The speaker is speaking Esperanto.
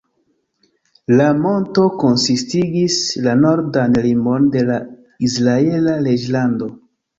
La monto konsistigis la nordan limon de la Izraela reĝlando.